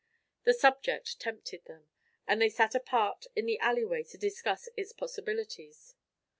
The subject tempted them; and they sat apart in the alley way to discuss its possibilities.